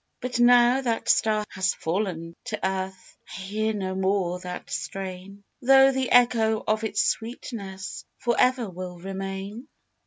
10 Song, But now that star has falFn to earth, I hear no more that strain, Though the echo of its sweetness For ever will remain